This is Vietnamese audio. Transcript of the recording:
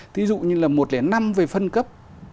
thí dụ như là một trăm linh năm về phân cấp